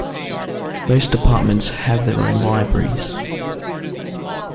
Most departments have their own libraries.